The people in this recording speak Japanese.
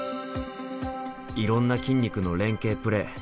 いろんな筋肉の連係プレー。